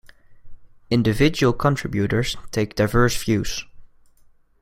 Individual contributors take diverse views.